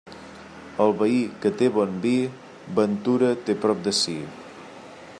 El veí que té bon vi, ventura té prop de si.